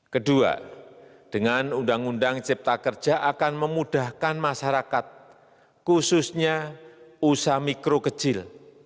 kedua dengan undang undang cipta kerja akan memudahkan masyarakat khususnya usaha mikro kecil